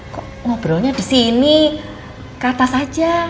kok ngobrolnya di sini ke atas saja